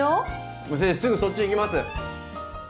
もう先生すぐそっち行きます！